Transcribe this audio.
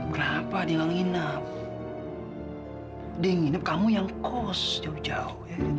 kenapa dia gak nginap dia yang nginap kamu yang kos jauh jauh ya